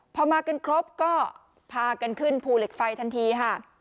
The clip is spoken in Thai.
พอมากันครบก็พากันขึ้นภูเหล็กไฟทันทีค่ะ